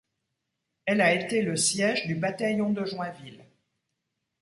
Elle a été le siège du Bataillon de Joinville.